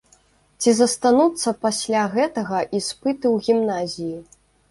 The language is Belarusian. Ці застануцца пасля гэтага іспыты ў гімназіі?